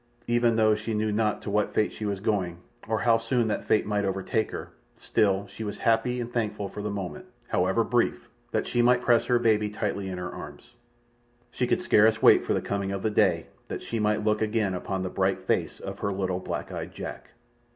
Even though she knew not to what fate she was going, or how soon that fate might overtake her, still was she happy and thankful for the moment, however brief, that she might press her baby tightly in her arms. She could scarce wait for the coming of the day that she might look again upon the bright face of her little, black eyed Jack.